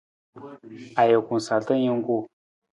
Ajuku sarta jungku.